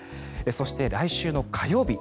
そして、来週の火曜日